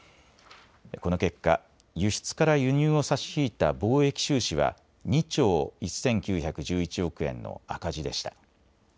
この結果、輸出から輸入を差し引いた貿易収支は２兆１９１１億円の赤字でした。